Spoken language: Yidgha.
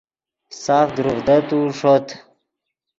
ساف دروڤدتو ݰوت